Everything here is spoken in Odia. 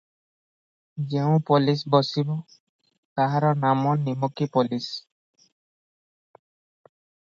ଯେଉଁ ପୋଲିଶ ବସିବ, ତାହାର ନାମ ନିମକୀ ପୋଲିଶ ।